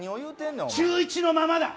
中１のままだ。